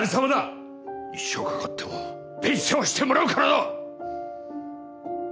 一生かかっても弁償してもらうからな！